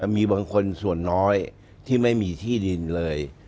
มีบางคนส่วนน้อยที่ไม่มีที่ดินเลย